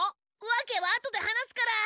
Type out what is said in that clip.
わけは後で話すから。